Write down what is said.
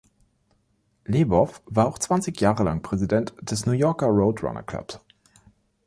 Lebow war auch zwanzig Jahre lang Präsident des New Yorker Road Runners Club.